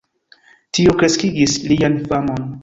Tio kreskigis lian famon.